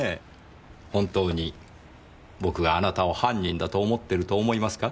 本当に僕があなたを犯人だと思ってると思いますか？